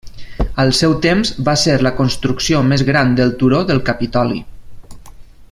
Al seu temps va ser la construcció més gran del turó del Capitoli.